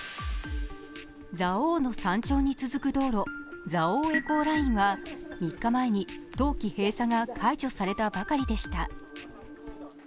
蔵王の山頂に続く道路、蔵王エコーラインは、３日前に冬期閉鎖が解除されたばかりでした。